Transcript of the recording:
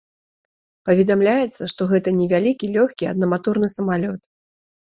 Паведамляецца, што гэта невялікі лёгкі аднаматорны самалёт.